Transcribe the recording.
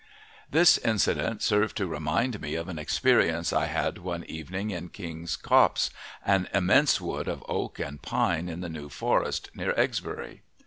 This incident serves to remind me of an experience I had one evening in King's Copse, an immense wood of oak and pine in the New Forest near Exbury.